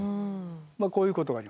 まあこういうことがあります。